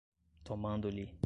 tomando-lhe